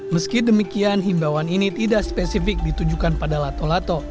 meski demikian himbawan ini tidak spesifik ditujukan pada lato lato